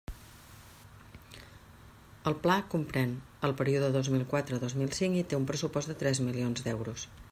El Pla comprèn el període dos mil quatre - dos mil cinc i té un pressupost de tres milions d'euros.